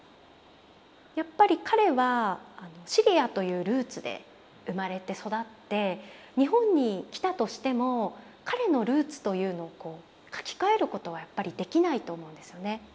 やっぱり彼はシリアというルーツで生まれて育って日本に来たとしても彼のルーツというのを書き換えることはやっぱりできないと思うんですよね。